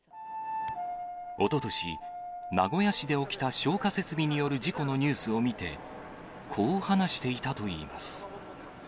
おととし、名古屋市で起きた消火設備による事故のニュースを見て、こう話していたといいます。